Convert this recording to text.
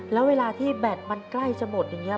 แล้วเวลาที่แบตมันใกล้จะหมดอย่างนี้